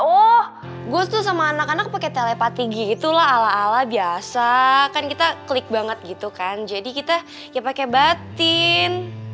oh gue tuh sama anak anak pake telepati gitu lah ala ala biasa kan kita klik banget gitu kan jadi kita ya pake batin